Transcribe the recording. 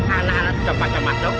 anak anak sudah macam macam